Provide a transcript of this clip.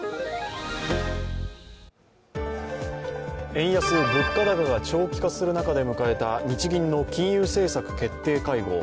円安物価高が長期化する中で迎えた日銀の金融政策決定会合。